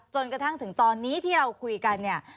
จนกระทั่งถึงตอนนี้ที่เราคุยกันเนี่ย